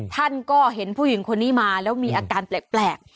ท่านก็เห็นผู้หญิงคนนี้มาแล้วมีอาการแปลก